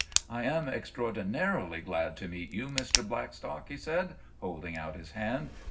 "I am extraordinarily glad to meet you, Mr. Blackstock," he said, holding out his hand.